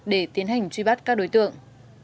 để tiến hành truy bắt các đối tượng